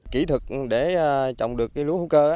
kỹ thuật để trồng được cái lúa hữu cơ